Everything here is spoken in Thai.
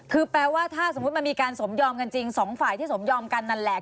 คือแปลว่าถ้าสมมุติมันมีการสมยอมกันจริงสองฝ่ายที่สมยอมกันนั่นแหละ